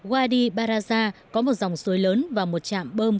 wadi barada có một dòng suối lớn và một chạm bơm